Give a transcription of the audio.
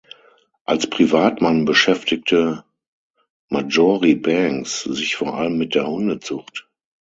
Als Privatmann beschäftigte Marjoribanks sich vor allem mit der Hundezucht.